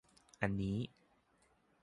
อันนี้